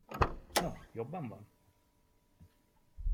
No, jobban van?